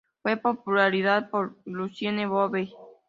Fue popularizada por Lucienne Boyer.